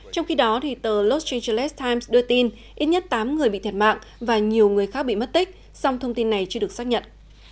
trong khi đó tờ los angeles times đưa tin ít nhất tám người bị thiệt mạng và nhiều người khác bị mất tích song thông tin này chưa được xác nhận